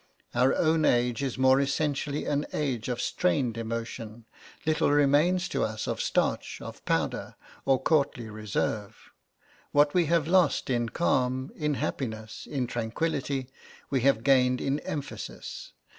Our own age is more essentially an age of strained emotion, little remains to us of starch, or powder, or courtly reserve. What we have lost in calm, in happiness, in tranquillity, we have gained in emphasis.